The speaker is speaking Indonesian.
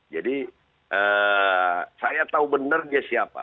jadi saya tahu benar dia siapa